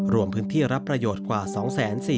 รวมพื้นที่รับประโยชน์กว่า๒๔๐๐